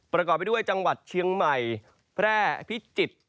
ประกอบไปด้วยจังหวัดเชียงใหม่แพร่พิจิตร